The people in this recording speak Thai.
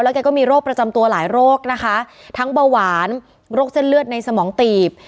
แกก็มีโรคประจำตัวหลายโรคนะคะทั้งเบาหวานโรคเส้นเลือดในสมองตีบ